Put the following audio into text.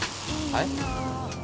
はい？